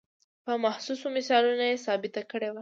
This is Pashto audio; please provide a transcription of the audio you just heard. په محسوسو مثالونو یې ثابته کړې وه.